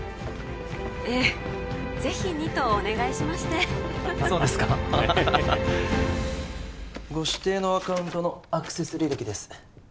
ええ是非にとお願いしましてそうですかご指定のアカウントのアクセス履歴です